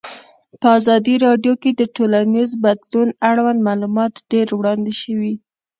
په ازادي راډیو کې د ټولنیز بدلون اړوند معلومات ډېر وړاندې شوي.